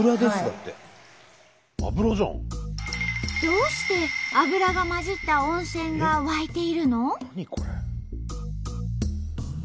どうして油がまじった温泉が湧いているの？